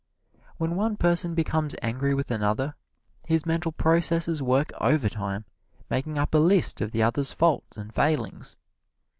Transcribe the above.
When one person becomes angry with another, his mental processes work overtime making up a list of the other's faults and failings.